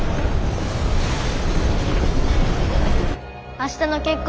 明日の結婚